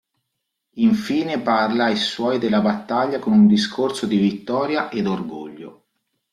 Infine parla ai suoi della battaglia con un discorso di vittoria ed orgoglio.